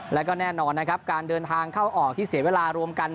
แล้วก็แน่นอนนะครับการเดินทางเข้าออกที่เสียเวลารวมกัน